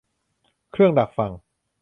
เครื่องดักฟัง